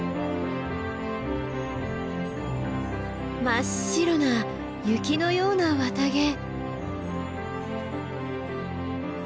真っ白な雪のような綿毛。